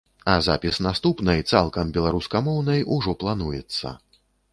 А запіс наступнай, цалкам беларускамоўнай, ужо плануецца.